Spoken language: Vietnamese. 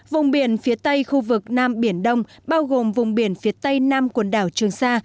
vùng biển phía tây khu vực nam biển đông bao gồm vùng biển phía tây nam quần đảo trường sa